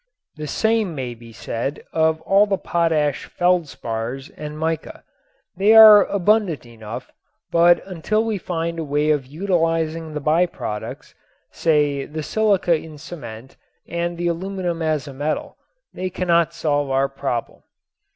The same may be said of all the potash feldspars and mica. They are abundant enough, but until we find a way of utilizing the by products, say the silica in cement and the aluminum as a metal, they cannot solve our problem.